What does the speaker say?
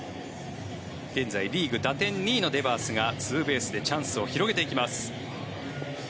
現在、リーグ打点２位のデバースがツーベースでチャンスを広げていきます。